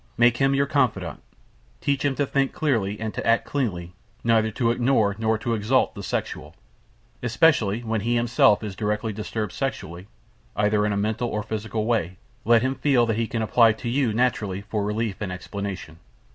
Make him your confidant. Teach him to think cleanly and to act cleanly, neither to ignore nor to exalt the sexual. Especially, when he himself is directly disturbed sexually, either in a mental or physical way, let him feel that he can apply to you naturally for relief and explanation.